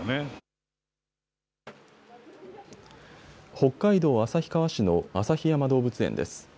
北海道旭川市の旭山動物園です。